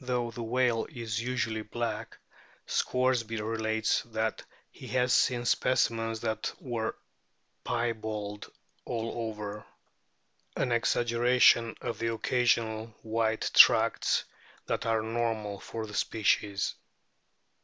Though the whale is usually black, Scoresby relates that he has seen specimens that were piebald all over an exaggeration of the occasional white tracts that are normal for the species.